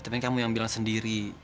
tapi kamu yang bilang sendiri